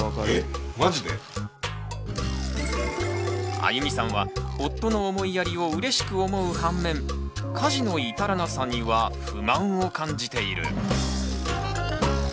あゆみさんは夫の思いやりをうれしく思う反面家事の至らなさには不満を感じている。